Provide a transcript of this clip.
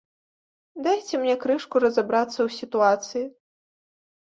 Дайце мне крышку разабрацца ў сітуацыі.